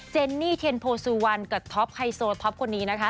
เจนี่เที่ยนโพซีวันน์กับท็อปไคโซท็อปคนนี้นะคะ